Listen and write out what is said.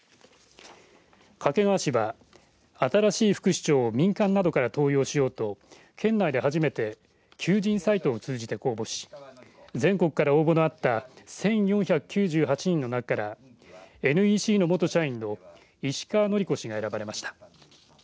掛川市は新しい副市長を民間などから登用しようと県内で初めて求人サイトを通じて公募し全国から応募のあった１４９８人の中からＮＥＣの元社員の石川紀子氏が選ばれました。